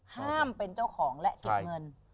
เป็นเจ้าของและเก็บเงิน